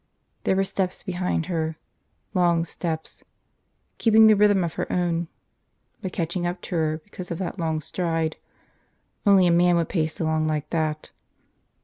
There were steps behind her. Long steps. Keeping the rhythm of her own. But catching up to her because of that long stride. Only a man would pace along like that.